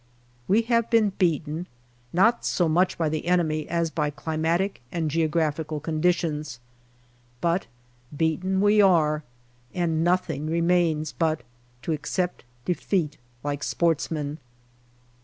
We have been beaten not so much by the enemy as by climatic and geographical conditions ; but beaten we are, and nothing remains but to accept defeat like sportsmen.